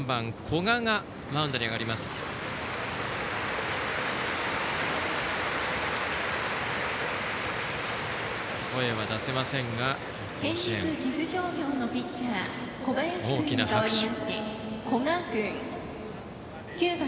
声は出せませんが甲子園、大きな拍手。